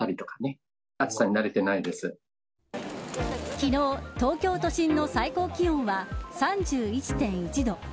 昨日、東京都心の最高気温は３１．１度。